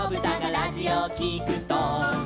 「ラジオをきくと」